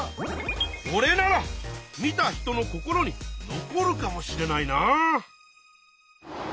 これなら見た人の心に残るかもしれないな！